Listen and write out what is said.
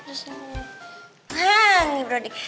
hah ini brody